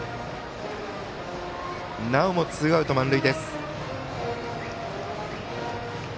なおもツーアウト、満塁。